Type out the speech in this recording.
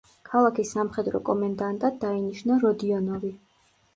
ქალაქის სამხედრო კომენდანტად დაინიშნა როდიონოვი.